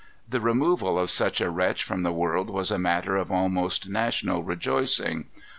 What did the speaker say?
The removal of such a wretch from the world was a matter of almost national rejoicing.